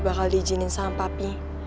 bakal diijinin sama papi